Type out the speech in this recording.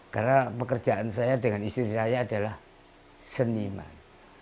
karena pekerjaan saya dengan istri saya adalah seniman